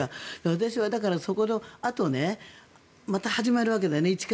私は、そのあとまた一から始まるわけですよね。